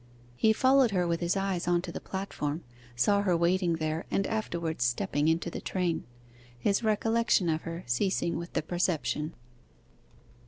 He followed her with his eyes on to the platform, saw her waiting there and afterwards stepping into the train: his recollection of her ceasing with the perception.